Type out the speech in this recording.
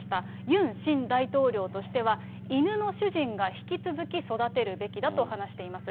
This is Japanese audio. ユン新大統領としては、犬の主人が引き続き育てるべきだと話しています。